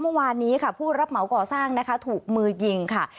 เมื่อวานนี้ค่ะผู้รับเหมาก่อสร้างนะคะถูกมือยิงค่ะ